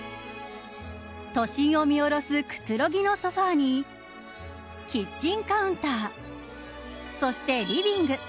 都心を見下ろすくつろぎのソファーにキッチンカウンターそしてリビング。